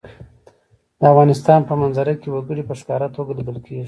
د افغانستان په منظره کې وګړي په ښکاره توګه لیدل کېږي.